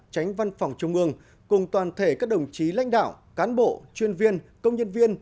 tránh văn phòng trung ương cùng toàn thể các đồng chí lãnh đạo cán bộ chuyên viên công nhân viên